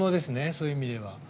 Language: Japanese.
そういう意味では。